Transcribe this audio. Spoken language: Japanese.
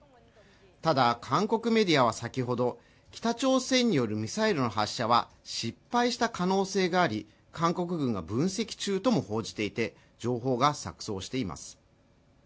ただ韓国メディアは先ほど北朝鮮によるミサイルの発射は失敗した可能性があり韓国軍が分析中とも報じていて情報が錯綜しています